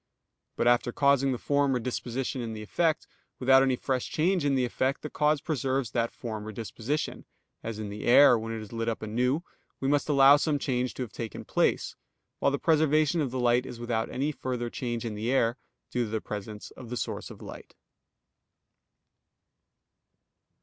But after causing the form or disposition in the effect, without any fresh change in the effect, the cause preserves that form or disposition; as in the air, when it is lit up anew, we must allow some change to have taken place, while the preservation of the light is without any further change in the air due to the presence of the source of light.